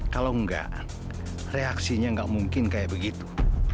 kalau enggak reaksinya nggak mungkin kayak begitu